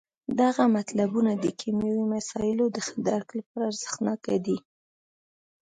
دغه مطلبونه د کیمیاوي مسایلو د ښه درک لپاره ارزښت ناکه دي.